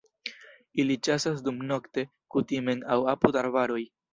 Ili ĉasas dumnokte, kutime en aŭ apud arbaroj.